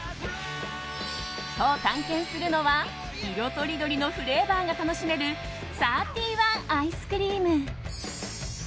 今日探検するのは色とりどりのフレーバーが楽しめるサーティーワンアイスクリーム。